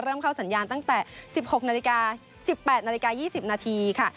เริ่มเข้าสัญญาณตั้งแต่๑๘นาฬิกา๒๐นาทีค่ะ